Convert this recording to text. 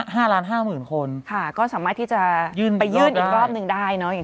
ห้าล้านห้ามึงคนค่ะก็สามารถที่จะยื่นอีกรอบนึงได้เนอะ